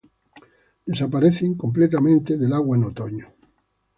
Desaparecen completamente del agua en otoño.